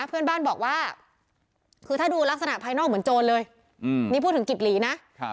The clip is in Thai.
เพื่อนบ้านบอกว่าคือถ้าดูลักษณะภายนอกเหมือนโจรเลยนี่พูดถึงกิจหลีนะ